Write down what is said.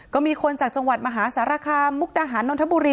ก็มีคนจากจังหวัดมหาสารคามมุกดาหารนนทบุรี